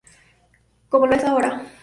Como lo es ahora.